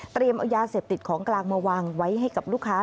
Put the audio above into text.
เอายาเสพติดของกลางมาวางไว้ให้กับลูกค้า